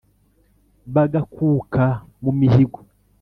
Bagakuka mu mihigo,